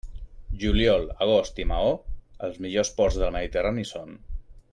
Juliol, agost i Maó, els millors ports del Mediterrani són.